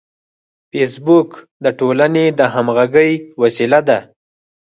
فېسبوک د ټولنې د همغږۍ وسیله ده